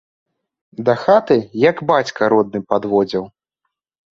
Да хаты як бацька родны падводзіў.